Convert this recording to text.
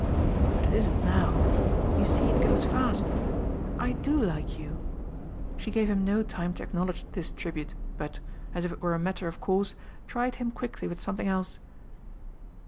But it isn't now; you see it goes fast. I DO like you." She gave him no time to acknowledge this tribute, but as if it were a matter of course tried him quickly with something else.